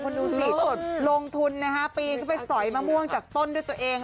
คุณดูสิลงทุนนะฮะปีนขึ้นไปสอยมะม่วงจากต้นด้วยตัวเอง